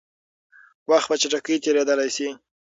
وخت په چټکۍ تېرېدلی شي.